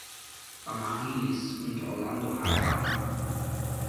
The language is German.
Amaryllis und Orlando heiraten.